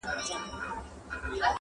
دی په خوب کي لا پاچا د پېښور دی-